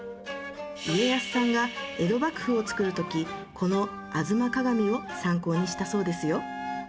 家康さんが江戸幕府をつくる時この『吾妻鏡』を参考にしたそうですよ。